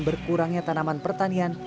berkurangnya tanaman pertanian